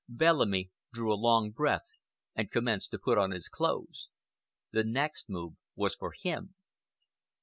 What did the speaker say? Bellamy drew a long breath and commenced to put on his clothes. The next move was for him.